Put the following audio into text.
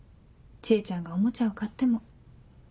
知恵ちゃんがおもちゃを買っても。